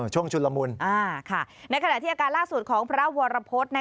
ช่วงชุดละมุนค่ะในขณะที่อาการล่าสุดของพระราบวรพฤต